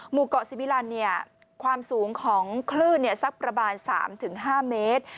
หมู่เกาะสิมิลันความสูงของคลื่นสักประมาณ๓๕เมตร